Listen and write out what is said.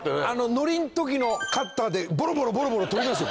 のりの時のカッターでボロボロボロボロ取れますよ！